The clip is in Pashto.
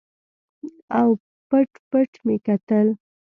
او پټ پټ مې کتل.